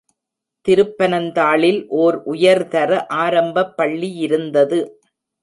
திருப்பனந்தாளில் ஓர் உயர்தர ஆரம்பப் பள்ளியிருந்தது.